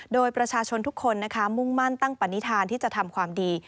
โดยประชาชนทุกคนนะคะมุ่งมั่นตั้งปณิธานที่จะทำความดี